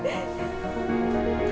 awan atau bijar